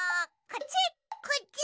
こっち！